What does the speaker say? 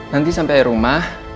nanti sampe rumah